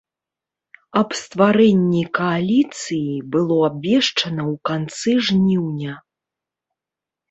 Аб стварэнні кааліцыі было абвешчана ў канцы жніўня.